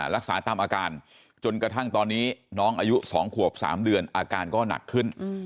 รักษาตามอาการจนกระทั่งตอนนี้น้องอายุ๒ขวบ๓เดือนอาการก็หนักขึ้น